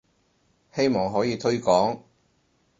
希望可以推廣